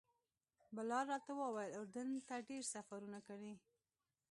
بلال راته وویل اردن ته ډېر سفرونه کړي.